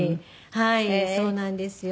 はいそうなんですよ。